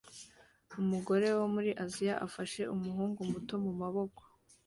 Umugore wo muri Aziya afashe umuhungu muto mumaboko